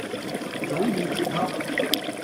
早已接洽。